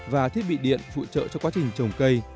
và thiết bị điện phụ trợ cho quá trình trồng cây